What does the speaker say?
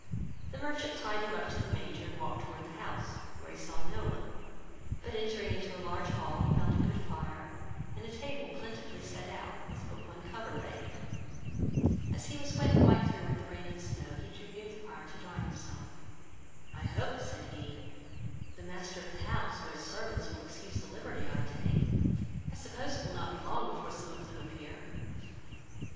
The merchant tied him up to the manger, and walked towards the house, where he saw no one, but entering into a large hall, he found a good fire, and a table plentifully set out, with but one cover laid. As he was wet quite through with the rain and snow, he drew near the fire to dry himself. "I hope, (said he,) the master of the house, or his servants, will excuse the liberty I take; I suppose it will not be long before some of them appear."